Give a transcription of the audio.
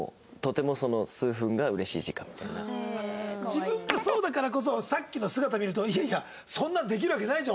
自分がそうだからこそさっきの姿見ると「いやいやそんなんできるわけないじゃん